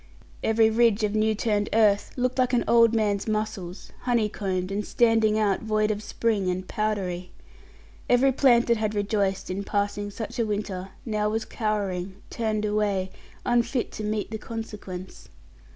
Every ridge of new turned earth looked like an old man's muscles, honeycombed, and standing out void of spring, and powdery. Every plant that had rejoiced in passing such a winter now was cowering, turned away, unfit to meet the consequence.